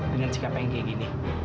dengan sikap yang kayak gini